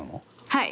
はい。